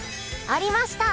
ありました！